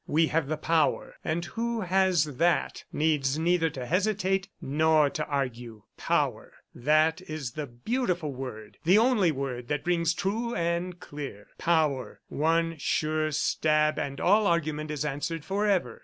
We have the power, and who has that needs neither to hesitate nor to argue. ... Power! ... That is the beautiful word the only word that rings true and clear. ... Power! One sure stab and all argument is answered forever!"